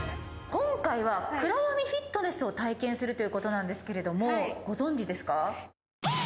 今回は暗闇フィットネスを体験するということなんですけれどもご存じですか？